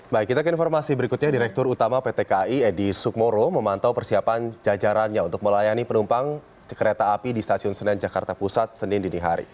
baik kita ke informasi berikutnya direktur utama pt kai edi sukmoro memantau persiapan jajarannya untuk melayani penumpang kereta api di stasiun senen jakarta pusat senin dinihari